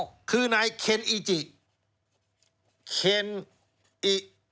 คนนี้คือคนรุ่นที่๖ใช่ไหม